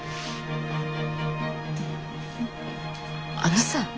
あのさ。